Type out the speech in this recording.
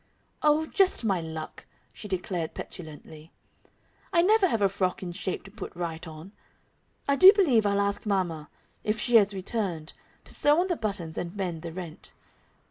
"Oh, just my luck," she declared petulantly. "I never have a frock in shape to put right on. I do believe I'll ask mamma if she has returned to sew on the buttons and mend the rent.